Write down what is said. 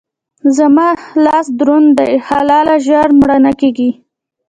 زما لاس دروند دی؛ حلاله ژر مړه نه کېږي.